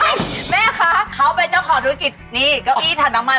แม่คะเขาเป็นเจ้าของธุรกิจนี่เก้าอี้ถังน้ำมัน